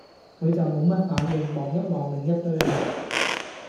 佢就無乜反應，望一望另一堆客